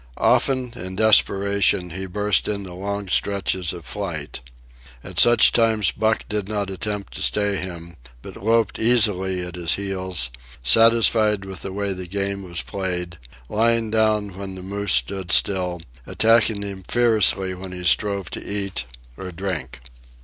Often, in desperation, he burst into long stretches of flight. At such times Buck did not attempt to stay him, but loped easily at his heels, satisfied with the way the game was played, lying down when the moose stood still, attacking him fiercely when he strove to eat or drink.